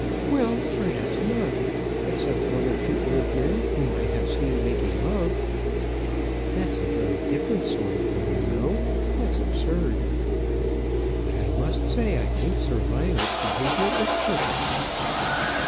"Well, perhaps not; except one or two old men whom I have seen making love." "That's a very different sort of thing, you know that's absurd. But I must say I think Sir Lionel's behaviour is perfect."